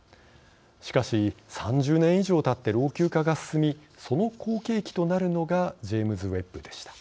しかし３０年以上たって老朽化が進みその後継機となるのがジェームズ・ウェッブでした。